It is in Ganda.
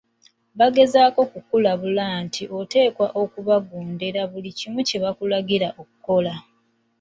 Bagezaako okukulabula nti oteekwa okubagondera mu buli kimu kye bakulagira okukola.